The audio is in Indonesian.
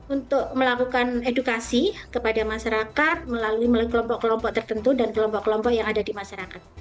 untuk melakukan edukasi kepada masyarakat melalui kelompok kelompok tertentu dan kelompok kelompok yang ada di masyarakat